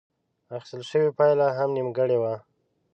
اخيستل شوې پايله هم نيمګړې وه.